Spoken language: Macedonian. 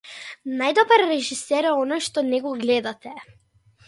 Најдобар режисер е оној што не го гледате.